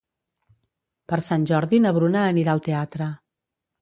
Per Sant Jordi na Bruna anirà al teatre.